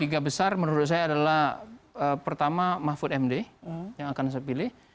tiga besar menurut saya adalah pertama mahfud md yang akan saya pilih